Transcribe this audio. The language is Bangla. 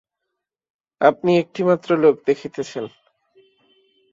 আপনি একটি মাত্র লোককে দেখিতেছেন।